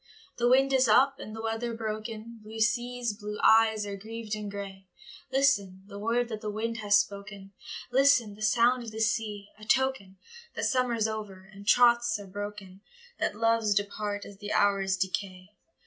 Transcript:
The wind is up, and the weather broken, Blue seas, blue eyes, are grieved and grey, Listen, the word that the wind has spoken, Listen, the sound of the sea,—a token That summer's over, and troths are broken,— That loves depart as the hours decay.